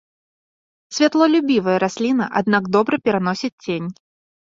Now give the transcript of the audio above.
Святлолюбівая расліна, аднак добра пераносіць цень.